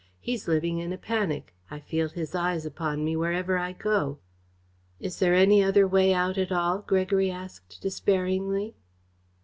He's living in a panic. I feel his eyes upon me wherever I go." "Is there any other way out at all?" Gregory asked despairingly.